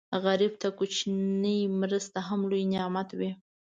غریب ته کوچنۍ مرسته هم لوی نعمت وي